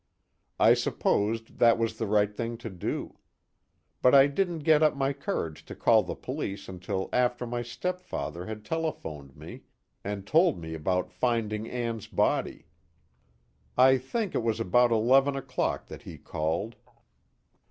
I supposed that was the right thing to do. But I didn't get up my courage to call the police until after my stepfather had telephoned me, and told me about finding Ann's body. I think it was about eleven o'clock that he called."